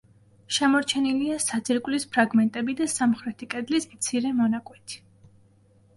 შემორჩენილია საძირკვლის ფრაგმენტები და სამხრეთი კედლის მცირე მონაკვეთი.